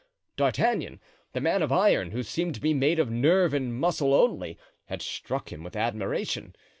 D'Artagnan, that man of iron, who seemed to be made of nerve and muscle only, had struck him with admiration.